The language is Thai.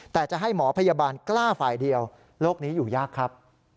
แต่จะให้หมอพยาบาลกล้าฝ่ายเดียวโลกนี้อยู่ยากครับ